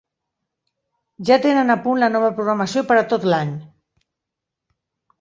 Ja tenen a punt la nova programació per a tot l'any.